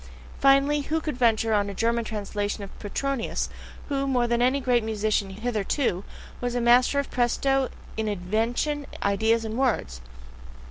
Finally, who would venture on a German translation of Petronius, who, more than any great musician hitherto, was a master of PRESTO in invention, ideas, and words?